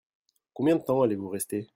Combien de temps allez-vous rester ?